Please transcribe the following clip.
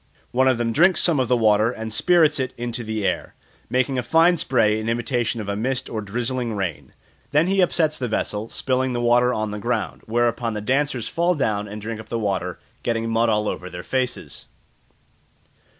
One of them drinks some of the water and spirts it into the air, making a fine spray in imitation of a mist or drizzling rain. Then he upsets the vessel, spilling the water on the ground; whereupon the dancers fall down and drink up the water, getting mud all over their faces.